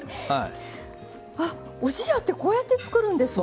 あっおじやってこうやって作るんですね。